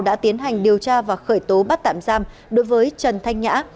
đã tiến hành điều tra và khởi tố bắt tạm giam đối với trần thanh nhã